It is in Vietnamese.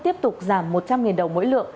tiếp tục giảm một trăm linh đồng mỗi lượng